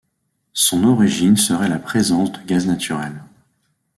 Son origine serait la présence de gaz naturel.